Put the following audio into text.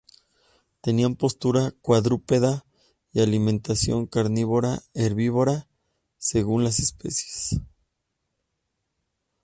Tenían postura cuadrúpeda y alimentación carnívora o herbívora, según las especies.